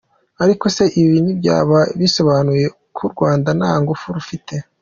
Ariko se ibi ntibyaba bisobanuye ko u Rwanda nta ngufu rufite?